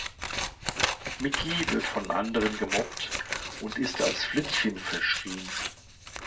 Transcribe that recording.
Miki wird von anderen gemobbt und ist als Flittchen verschrien.